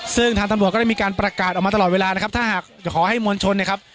ซึ่งทางตำรวจก็ได้มีการประกาศออกมาตลอดเวลานะครับถ้าหากจะขอให้มวลชนนะครับ